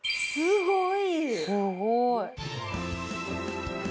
すごい！